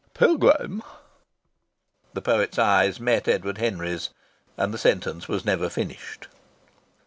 Pilgrim " The poet's eyes met Edward Henry's, and the sentence was never finished.